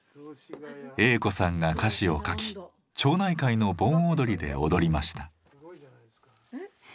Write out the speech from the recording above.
栄子さんが歌詞を書き町内会の盆踊りで踊りました。